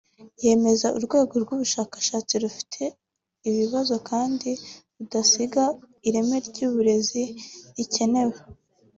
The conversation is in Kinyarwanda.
yemeza urwego rw’ubushakashatsi rugifite ibibazo kandi rudasigana n’ireme ry’uburezi rikenewe